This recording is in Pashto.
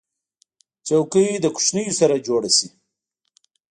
چوکۍ له کوشنو سره جوړه شي.